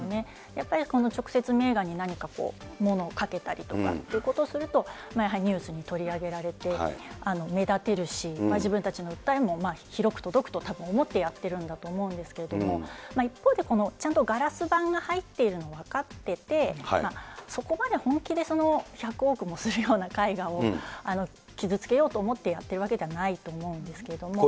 やっぱりこの直接名画に何かものをかけたりとかということをすると、やはりニュースに取り上げられて、目立てるし、自分たちの訴えも広く届くとたぶん思ってやってるんだと思うんですけれども、一方で、ちゃんとガラス板が入ってるの分かってて、そこまで本気で１００億もするような絵画を傷つけようと思ってやってるわけじゃないと思うんですけれども。